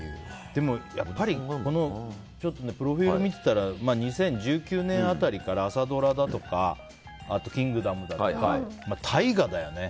でもプロフィール見てたら２０１９年辺りから朝ドラだとか「キングダム」だとか大河だよね。